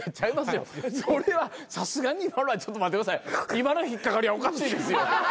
今の引っ掛かりはおかしいですよ。